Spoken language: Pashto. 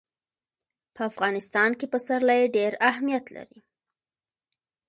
په افغانستان کې پسرلی ډېر اهمیت لري.